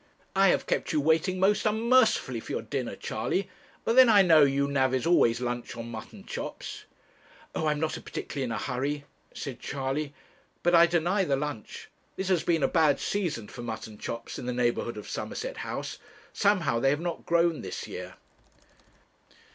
'I have kept you waiting most unmercifully for your dinner, Charley; but then I know you navvies always lunch on mutton chops.' 'Oh, I am not particularly in a hurry,' said Charley; 'but I deny the lunch. This has been a bad season for mutton chops in the neighbourhood of Somerset House; somehow they have not grown this year.'